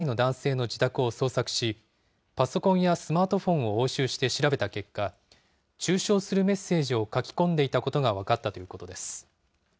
捜査関係者によりますと、愛知県に住む２２歳の男性の自宅を捜索し、パソコンやスマートフォンを押収して調べた結果、中傷するメッセージを書き込んでいたことが分かったということです。